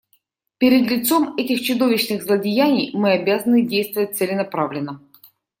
Перед лицом этих чудовищных злодеяний мы обязаны действовать целенаправленно.